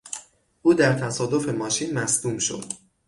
او در تصادف ماشین مصدوم شد.